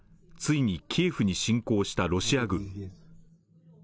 ついにキエフに侵攻したロシア軍。